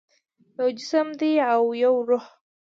یو جسم دی او یو روح